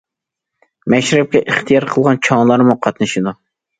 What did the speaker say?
مەشرەپكە ئىختىيار قىلغان چوڭلارمۇ قاتنىشىدۇ.